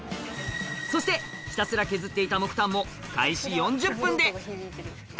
そして、ひたすら削っていた木炭も開始４０分で。